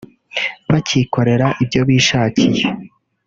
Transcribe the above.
bakikorera ibyo bishakiye